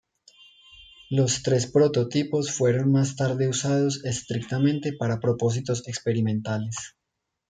Los tres prototipos fueron más tarde usados estrictamente para propósitos experimentales.